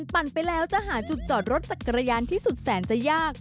ปั่นไปแล้วจะหาจุดจอดรถจักรยานที่สุดแสนจะยาก